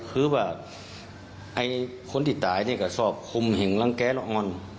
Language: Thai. คือว่าคนที่ตายว่างเนี่ยก็คุมอย่างรังแก้ละออน